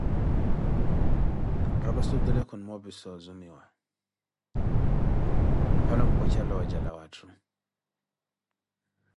Rapasi otule kunimoopisa ozumiwa, aphale ompwecha looja la watthu.